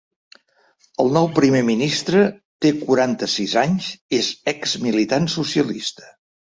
El nou primer ministre té quaranta-sis anys és ex-militant socialista.